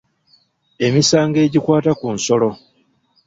Emisango egikwata ku nsolo.